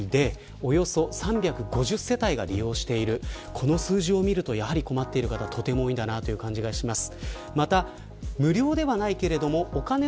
この数字を見るとやはり困っている方がとても多いんだなという感じがします。